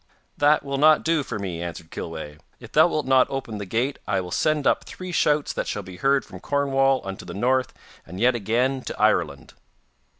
'That will not do for me,' answered Kilweh. 'If thou wilt not open the gate I will send up three shouts that shall be heard from Cornwall unto the north, and yet again to Ireland.